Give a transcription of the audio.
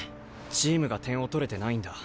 チームが点を取れてないんだ。